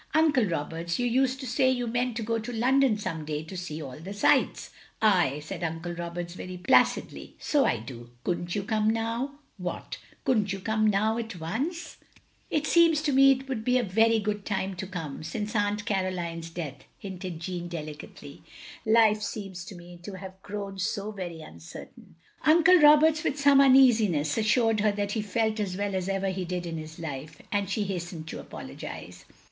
"Uncle Roberts, you used to say you meant to go to London some day to see all the sights. " "Aye," said Uncle Roberts, very placidly, "soldo." "Couldn't you come now?*' "What?" "Couldn't you come now, at once? It seems tS4 THE LONELY LADY to me it would be a very good time to come. Since Aunt Caroline's death," hinted Jeanne delicately, "life seems to me to have grown so very uncertain." Uncle Roberts, with some uneasiness, assured her that he felt as well as ever he did in his life, and she hastened to apologise.